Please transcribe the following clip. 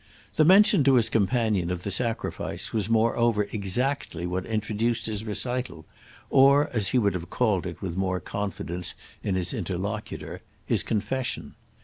The mention to his companion of the sacrifice was moreover exactly what introduced his recital—or, as he would have called it with more confidence in his interlocutor, his confession.